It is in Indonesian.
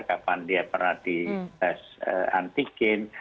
kapan dia pernah di tes antigen